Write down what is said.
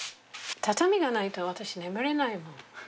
畳がないと私眠れないの。